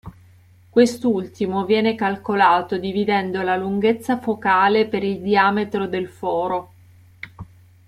Quest'ultimo viene calcolato dividendo la lunghezza focale per il diametro del foro.